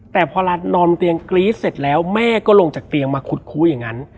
แต่พอรัฐนอนเตียงกรี๊ดเสร็จแล้วแม่ก็ลงจากเตียงมาขุดคุยอย่างนั้น